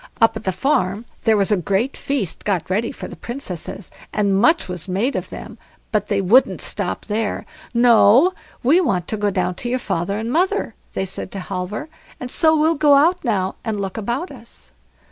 Up at the farm there was a great feast got ready for the Princesses, and much was made of them, but they wouldn't stop there. "No; we want to go down to your father and mother", they said to Halvor; "and so we'll go out now and look about us."